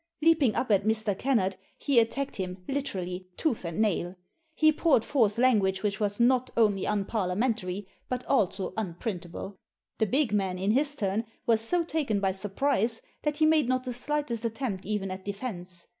Leaping up at Mr. Kennard, he attacked him, literally, tooth and nail. He poured forth language which was not only unparliamentary, but also unprintable. The big man, in his turn, was so taken by surprise that he made not the slightest attempt even at defence.